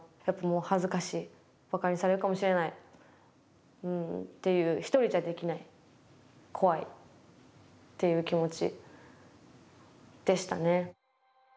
やっぱもう恥ずかしいバカにされるかもしれないっていう一人じゃできない怖いっていう気持ちでしたね。